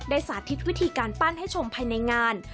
สาธิตวิธีการปั้นให้ชมภายในงาน